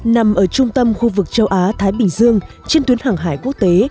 nằm ở trung tâm khu vực châu á thái bình dương trên tuyến hàng hải quốc tế